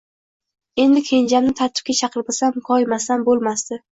Endi kenjamni tartibga chaqirmasam, koyimasam bo`lmasdi